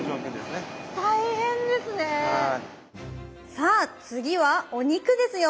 さあ次はお肉ですよ！